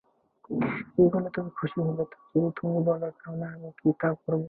কি করলে তুমি খুশি হবে তা যদি তুমি বল তাহলে আমি তা করব।